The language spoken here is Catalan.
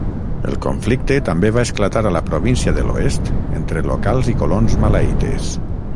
El conflicte també va esclatar a la província de l'oest entre locals i colons malaítes.